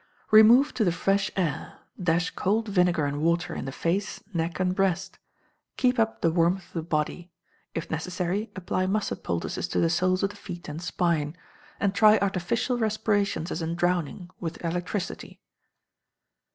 Remove to the fresh air; dash cold vinegar and water in the face, neck, and breast; keep up the warmth of the body; if necessary, apply mustard poultices to the soles of the feet and spine, and try artificial respirations as in drowning, with electricity.